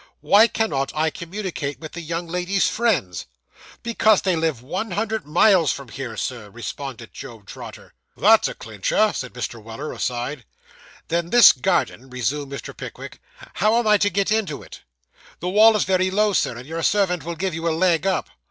'Why cannot I communicate with the young lady's friends?' 'Because they live one hundred miles from here, sir,' responded Job Trotter. 'That's a clincher,' said Mr. Weller, aside. 'Then this garden,' resumed Mr. Pickwick. 'How am I to get into it?' 'The wall is very low, sir, and your servant will give you a leg up.